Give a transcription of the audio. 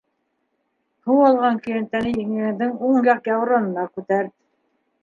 Һыу алған көйәнтәне еңгәндең уң яҡ яурынына күтәрт.